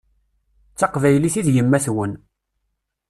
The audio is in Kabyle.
D taqbaylit i d yemma-twen.